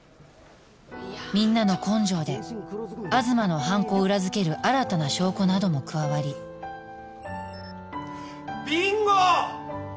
みんなの根性で東の犯行を裏付ける新たな証拠なども加わりビンゴ！